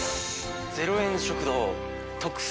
０円食堂特製